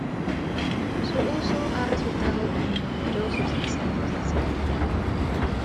Su uso ha resultado en numerosos incendios accidentales.